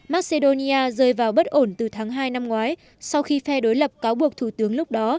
macedonia rơi vào bất ổn từ tháng hai năm ngoái sau khi phe đối lập cáo buộc thủ tướng lúc đó